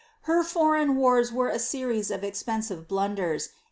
Her forfigi WBfB were a series of expensive bluaders.